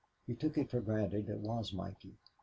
He took it for granted it was Mikey.